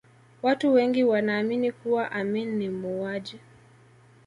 watu wengi wanaamini kuwa amin ni muuaji